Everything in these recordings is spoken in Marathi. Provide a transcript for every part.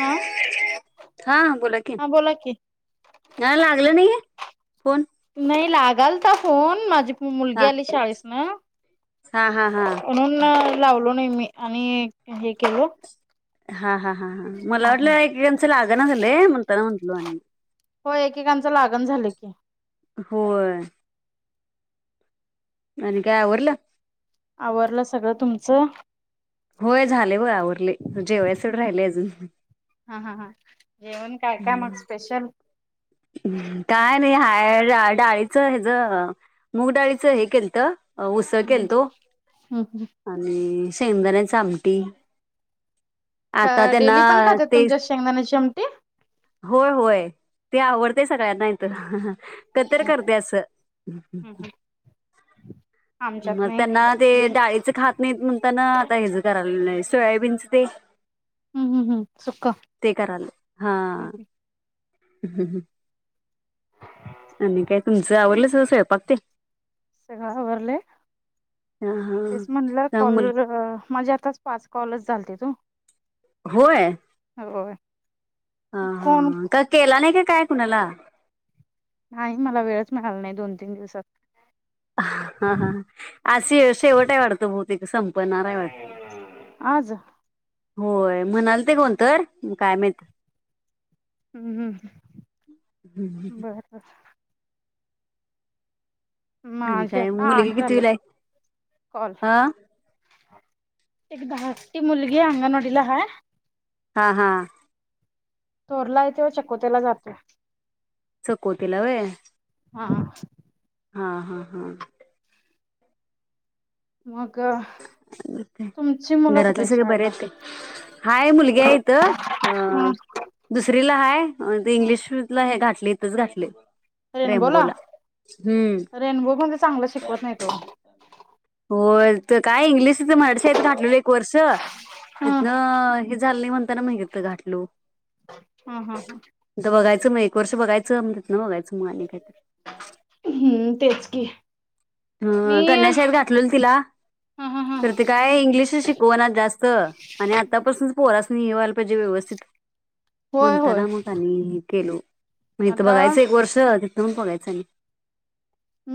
हा [unintelligible] हा बोला कि, हा बोला की हा लागलं नाहीये? कोण? नाही लागालता फोन माझी मुलगी हा आली शाळेस न. हा हा हा म्हणून लावलो नाही मी, आणि हे केलो. हा हा. हा ह मला वाटलं एकेकांच लागना झालयं, म्हणताना म्हटलो आणि. तुमचं लागणा झालयं की? होय. आणि काय आवरलं? आवरल सगळं तुमचं? होय, झालय बघा आवरलय, जेवायचं तेवढ राहिलयं अजून. हा हा हा, जेवण काय काय मग स्पेशल? काय नाही हाय, डाळीचं हेज मूग डाळीचं हे केलत. उसळ केलतो आणि शेंगदाण्याचं आमटी. आता त्यांना डेली पण खातात ते, तुमच्या शेंगदाण्याची आमटी होय होय. ते आवडतेय सगळ्यांना इथ हाहाहा कधी तर करतयं असं. हम् आमच्यात मग नाही त्यांना ते डाळीचं खात नाहीत, म्हणताना आता हेज करालोय [unintelligible] सोयाबीनचं ते हम् हम् हम् सुक्क -ते करालोय हा. हम ह ह. आणि काय तुमचं आवरल सगळं स्वंयपाक ते? सगळं आवरलय. हा हा तेच म्हटलं त्यामुळे कॉल अ माझे आताच पाच कॉलच झालतीत ओ. होय. होय. ह हा कोण ह का केला नाही, का काय कुणाला? नाही मला वेळच मिळाल नाही, दोन- तीन दिवसात. ह ह अस शेवट आहे वाटतं बहुतेक संपणार हाय वाटत. आज. होय, म्हणाल ते कोण तर काय माहित? हम हम बरं बरं. आणि माझे काय मुलगी आठ झालेत, कितवीला आहे कॉल. हा एक धाकटी मुलगी अंगणवाडीला हाय. हा हा. थोरला हाय तो व चकोतेलां जातोय. चकवतीला व्हयं. हा हा. हा हा हा. मग हा तुम घरातले सगळे बरे आहेत काय? हाय मुलगी आहे इथं हा अ दुसरीला हाय, ते हा इंग्लिशला स्कुल घातलयं इथचं घातलयं. रेनबोला रेनबो म्हणे चांगल शिकवत नाहीत ओ. होय, इथं काय इंग्लिशच मराठी शाळेत घातलेलो एक वर्ष हा तिथनं झाल नाही, म्हणताना म इथं घातलो. हा हा. आता बघायचं मग एक वर्ष बघायचं म तिथनं बघायचं मग आणि हम तेच की. मी ह हा कन्याशाळेत घातलेल तिला. हा हा कर ते काय इंग्लिश शिकव ना जास्त आणि आतापासून पोर. स्वाल पाहिजे व्यवस्थित होय होय म्हणताना मग त्यांनी केलो. मग इथ आता बघायचं एक वर्ष तिथ पण बघायचं आणि.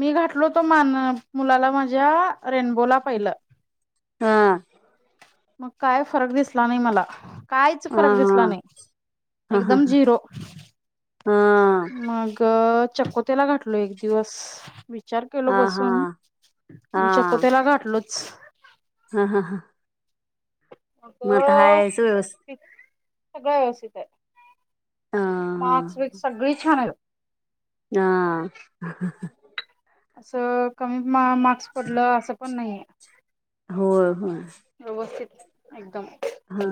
मी घातलो तो मान मुलाला माझ्या रेनबोला पाहिलं. हा. मग काय फरक दिसला नाही मला. काहीच फरक दिसला नाही एकदम झिरो. मग चकोतेला घाटलो एक दिवस विचार केल बसून आणि चकोतेला घाठलच. हा हा हा. मग आता हा याच व्यवस्थ. सगळं व्यवस्थित आहे. मार्क्स विर्क्स सगळी छान आहेत. हम ह ह. असं कमी मार्क्स पडलं असं पण नाहीे. हो होय. व्यवस्थित एकदम. हा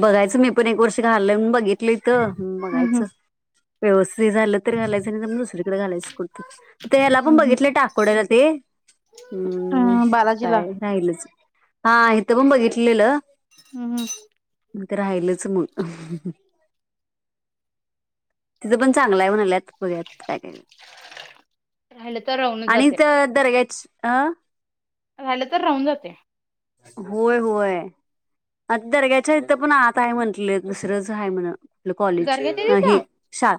बघायचं मी पण एक वर्ष घालून बघित. ली तर हम्म बघायचं व्यवस्थित. तरी झालं तर घालायचं तर मग दुसरीकडे घालायचं करतो त्याला पण हम्म बघितलं टाकोडाला ते. हम्म काय राहीलच हा इथं पण बघितलेलं. हम्. ते राहिलच मग. तिच पण चांगलं आहे म्हणाल्यात. बघत काय ग राहिलं तर राहूनच आणि जाते तर दरग्याच आं. झालं तर राहून जाते. होय होय. आता दर्ग्याच्या इथं पण आता आहे म्हटले दुसरंच आहे म्हणत. आपल कॉलेज दर्ग्यात आहे तिथं हे शा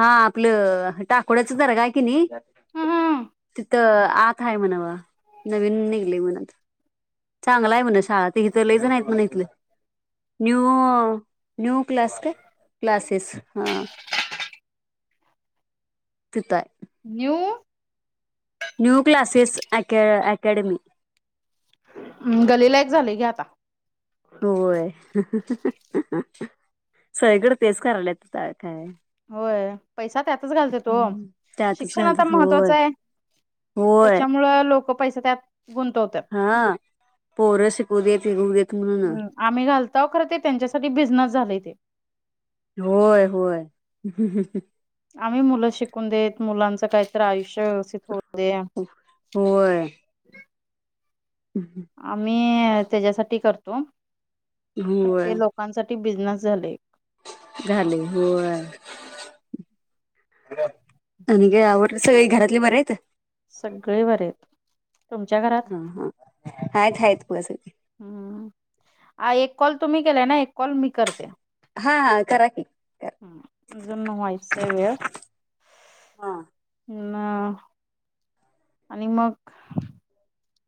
हा आपलं टाकोड्याच दर्गा आहे की नाही. ह ह तर आत आहे म्हणावा नवीन निघली म्हणत. चांगला आहे म्हणे शाळा ते तर लयझण आहेत म्हणे इथलं. न्यू न्यू क्लास काय क्लासेस हा. तिथं आहे न्यू. न्यू क्लासेस अका अकॅडमी. हम् गलीलायक झाले की आता. होय सळीकडे तेच करायला येत. होय पैसा त्यातच घालते तो त्यातच शिक्षण आता घालतात महत्त्वाच होय आहे. होय त्याच्यामुळं लोक पैसा त्यात. गुंतवतात. हा पोर शिकू देत विकू देत म्हणून. ता खर ते त्यांच्यासाठी बिझनेस झाले ते. होय होय. आम्ही मुलं शिकून देत मुलांचं काहीत आयुष्य. अ खोते आ. हम् हम्. मी त्याच्यासाठी करतोर ते लोकांसाठी बिझनेस झाले. झााली हय. आणि ग आवड सगळी घरातले बर आहेतेत. सगळे बरत. हा हा हाय कााय पुसाठी ह एक कॉल तुम्ही केलाय ना एक कॉल मी करते हा हा करा क ह अजून न व्हायच वेळ हा ना आणि मग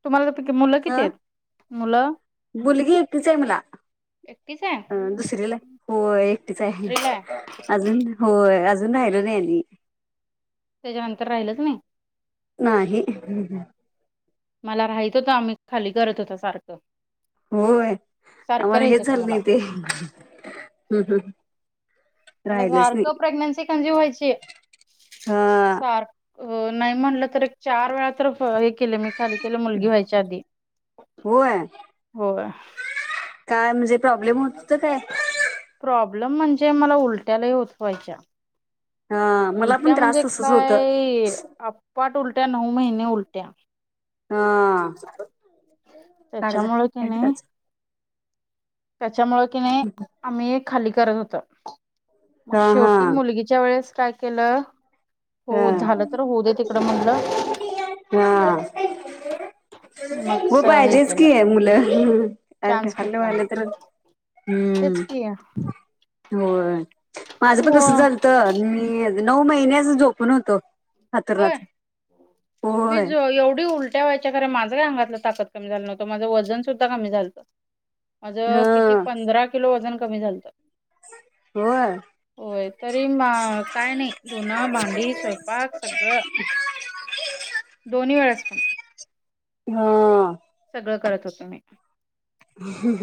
तुम्हाला मुलं किती ह आहेत मुलं मुलगी एकटीच आहे मला एकीच आहे दुसरीला होय एकटीच आहे अजून हो अजून राहिलो नाही म त्याच्यानंतर राहिलच नाही नाही मला राहत होतं आम्ही खाली करत होता सारखं होय सारखं आम्हाला राहित हेच होतं झालं मला नाही ते म्हण राहिलच सारखं नाही प्रेग्ननसी कंझ्युम व्हायची हा सार अ नाही म्हणलं तर एक चार वेळा तर हे केले मी खाली केलं मुलगी व्हायच्या आधी होय हो काय म्हणजे प्रॉब्लेम होत काय प्रॉब्लेम म्हणजे मला उलट्यालाही होत व्हायच्या हा मला पण उलट्या म्हणजे त्रास तसच होत काय आप पाट उलट्या नऊ महिने्या उलट्या हा कर्ज त्याच्यामुळे कि पट नाही कज त्याच्यामुळे कि नाही आम्ही खाली करत होत मग हा हा शेवटी मुलगीच्या वेळेस काय केलं हा हो झालं तर होऊ दे तिकडं म्हटलं हा मग हो हे पाहिजेच केलं की आहे मुलं चान्स खाल्लं घेतला वालं मग तर तेच हम्म की हो माझं पण कसं होय झालत मी नऊ महिन्याच झोपून होतो हतुर्नाथ मी एवढी उलट्या व्हायच्या खर माझा ्या अंगातलं ताक कमी झा नवतं माझं वजन सुद्धा कमी झालतं माझ हा किती पंधरा किलो वजन कमी झालतं हो होय तरी म काय नाही धुन भांडी स्वयंपाक सग दोन्ही वेळेस प हा सगळं करत होतो मी ह ह ह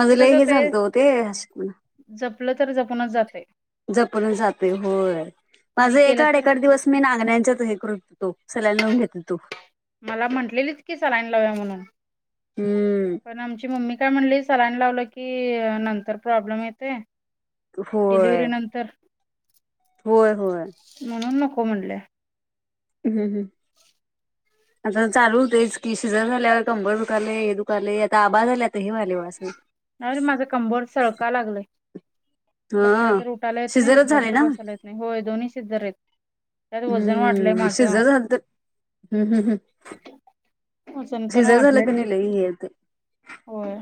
मज ते ल कसं हे झाचालत होतेणा आपलं तर जपूनच जाते जपून जाते होय माझ आणि केलं एकाड तर एका दिवस मी नांगण्यांच्याच हे कृततो सलाई लावून घेते तू मला म्हटलेली की सलान लाव्या म्हणून हम्म पण आमची मम्मी काय म्हणली सलाइन लावलं कीइ नंतर प्रॉब्लम येतंय. होय डिलिवरी नंतर. होय होय. को म्हणले. ह्ं हम्मह्म. [inaudible] [inaudible] आता चालू हुतयचकी शिजर झाल्यावर कंबर दुकालय हे दुकालय आता आभाळ झालय आता हे व्हायलय बघास नाहीरे माज कंबोर सळका लागलंय. बसलं हा तर उटायला येत नइ शिजरच उटलं झाले तर ना बसायला येत नइ होय दोन्ही शीजरायत. हम्म शीजर झालंत हम्म हम् हम्. वजन पण सिजर वाढलंय झालकनी लई हे होतंय. होय.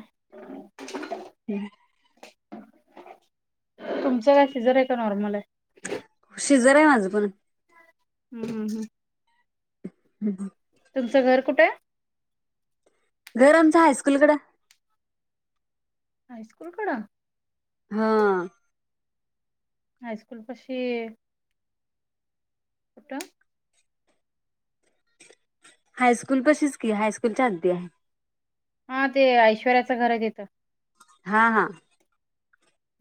[unintelligible] तुमचं काय सिजराय का नॉर्मलाय? शीजराय माझंपन. हंहंहं. हंहं. तुमचं घर कुटाय? घर आमचं हायस्कूलकडं. हायस्कूलकडं? हां. हायस्कूलपशीइ. कुट? हायस्कूल पशीचकी हायस्कूलच्या आद्दी हाय. हां ते ऐश्वर्याच घराय तीत. हां हां.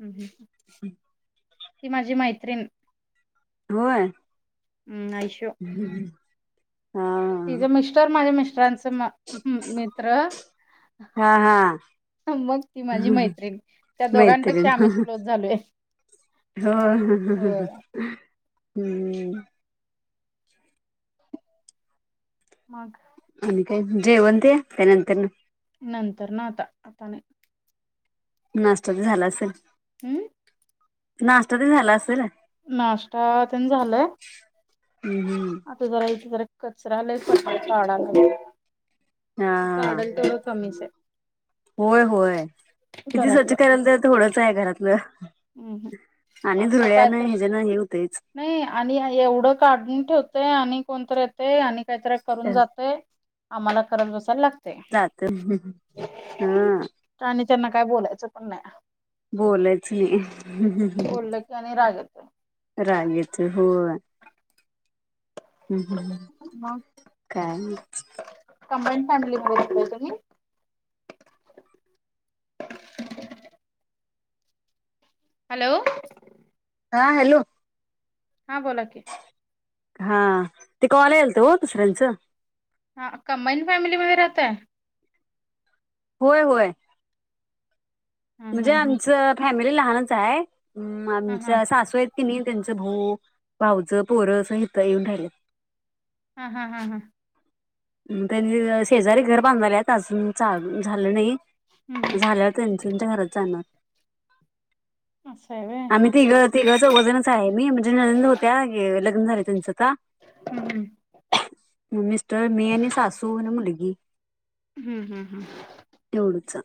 हंहं. [inaudible] ती माजी मैत्रीण. होंय? हम् आय्शू. हा तिज मिस्टर माझ्या मिस्टरांचं मा हं मित्र. हां हां. मग ती माजी मैत्रिण त्या दोघांपेक्षा आम्हीच क्लोज झालोय. हां होय हम्म्म. मग? आणिकाय जेवणते का नंतरन? नंतरन आता आता नाय. नाश्टाते झाला असंल. हम्म? नाश्टा ते झाला असंल. नाश्टा तेन झालंय. आता जरा [unintelligible] कचरा लई पडलाय काडालोय. हा काडल तेवढं कमीचय. होय होय किती स्वच्छ घरातलं करालते थोडंचाय घरातलं. हम्म आणि धुरळ्यान ह्याज्यान हे‌ होतय नई आणि हां एवढं काडून ठेवतोय आणि कोणतर येतय आणि कायतरेक करून जातय आम्हाला करत बसायला लाग जातं हं हां. आणि त्यांना काय बोलायचं पण नाही बोलायच नाही बोललं की आणि राग येतोय. ् रागेच होय हम्म हम्म मग काय आणली काय तुम्ही हॅलो हा हॅलो हा बोला कि हा ते कॉल आलत हो दुसऱ्यांचं. हा कंबाईन फॅमिली राहताय? होय होय. हा म्हणजे हा आमच फॅमिली लहानच आहे हा हा आमच्या सासू त्यांनी त्यांचा भाऊ आणि भाऊचे त्यांचे पोरं असं हित येऊन राहिले. हा हा हा हा. त्यांनी शेजारी घर बांधलेत अजून झालं नाही हा हा झाल्यावर त्यांच्या त्यांच्या घरात जाणार. अच्छा. आम्ही तिघ तिघं चौघजणच आहे मी म्हणजे ननंद होत्या लग्न झाले त्यांचा आता. [unintelligible] हम्म. मिस्टर मी सासू आणि मुलगी. हम्म हम्म हम्म. एवढंच.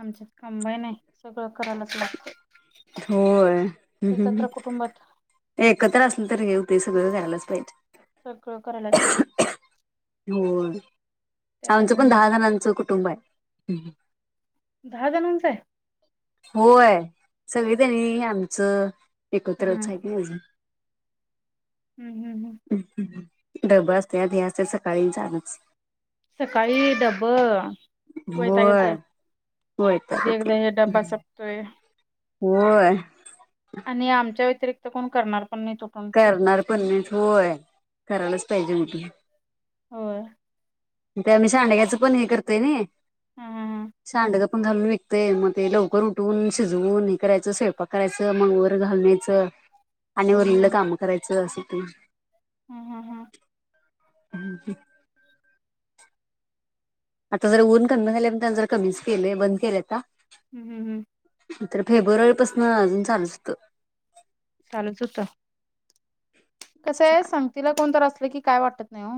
आमच्या कंबाईन आहे सगळं करायलाच लागत. होय. ह हं एकत्र कुटुंबात एकत्र असल नंतर हे होते सगळं करायलाच पाहिजे. सगळं करायलाच पाहिजे हो. त्यात आमचं पण अजून दहा जणांचं कुटुंब आहे. दहा जणांच आहे? होय. सगळे जणी आमचं एकत्रच आहेत नाही अजून. हम्म हम्म हम्म. डब्बा असत्यात ह्याच त्याच सकाळी चालूच. सकाळी डब्ब वैताग येतय होय. वैताग कधी येतंय. एकदा डबा सपतोय. होय. आपल्या व्यतिरिक्त कोण करणार? पण नाही तो पण करणार पण मीच होय करायलाच पाहिजे तुम्ही होय. मी सांडगे चा पण करतोय ना हे हा हा सांडग पण घालून विकते, मग ते लवकर उठवून शिजवून हे करायच मग स्वयपाक करायचं मग वर घालून यायचं. हा आणि हा उरलेल काम करायचं असं ते हा हा हम्म. आता जर ऊन कमी झाल्या म्हणताना जर कमीच केलय बंद केले आ हम्म हम्म हम्म. तर फेब्रुवारी पाासून अजून चालूच होत. चालूच होत. कसंय संगतीला कोण असलं तर काय वाटत नाही ओ.